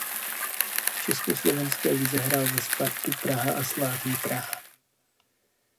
V československé lize hrál za Spartu Praha a Slavii Praha.